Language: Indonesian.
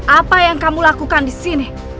apa yang kamu lakukan disini